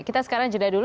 kita sekarang jeda dulu